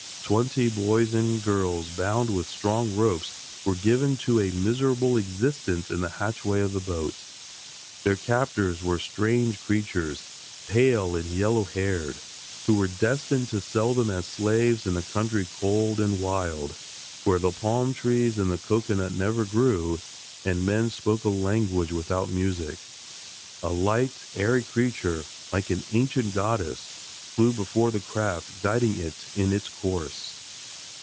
Twenty boys and girls bound with strong ropes were given to a miserable existence in the hatchway of the boat. Their captors were strange creatures, pale and yellow haired, who were destined to sell them as slaves in a country cold and wild, where the palm trees and the cocoanut never grew and men spoke a language without music. A light, airy creature, like an ancient goddess, flew before the craft guiding it in its course.